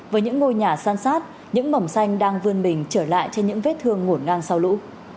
với những ngôi nhà san sát những mầm xanh đang vươn mình trở lại trên những vết thương ngổn ngang sau lũ